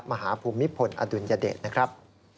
ภูมิพลอดุลยเดชนะครับ